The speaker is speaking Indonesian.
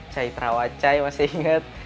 chaitra wachai masih inget